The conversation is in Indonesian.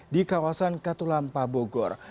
di kawasan katulampabogor